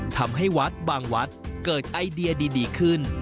ทำให้วัดบางวัดเกิดไอเดียดีขึ้น